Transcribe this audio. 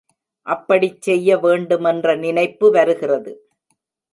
அப்படிச் செய்ய வேண்டுமென்ற நினைப்பு வருகிறது.